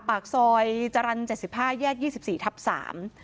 ปากซอยจรรย์เจ็ดสิบห้าแยกยี่สิบสี่ทับสาม